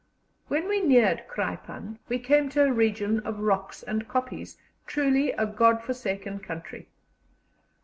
When we neared Kraipann, we came to a region of rocks and kopjes, truly a God forsaken country.